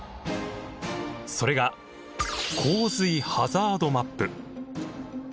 それが洪水ハザードマップ。